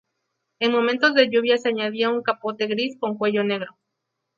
En momentos de lluvia se añadía un capote gris con cuello negro.